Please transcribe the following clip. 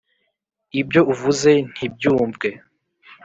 ibyo uvuze ntibyumvwe